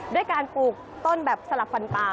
ด้วยการปลูกต้นแบบสลับฟันตา